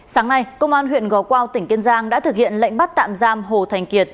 sáng nay công an huyện gò quao tỉnh kiên giang đã thực hiện lệnh bắt tạm giam hồ thành kiệt